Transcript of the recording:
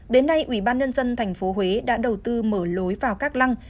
đến nay ủy ban nhân dân tp huế đã đầu tư mở lối vào các lăng